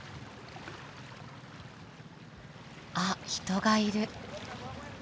あっ人がいる。